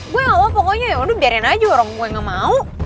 gue emang pokoknya yaudah biarin aja orang gue gak mau